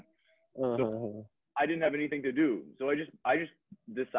jadi saya tidak punya apa apa yang harus saya lakukan